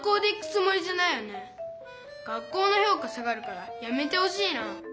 学校のひょうか下がるからやめてほしいな。